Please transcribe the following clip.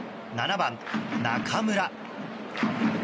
７番、中村。